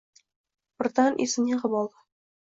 Birdan esini yig‘ib oldi.